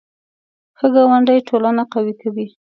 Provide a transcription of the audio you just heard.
ښه ګاونډي ټولنه قوي کوي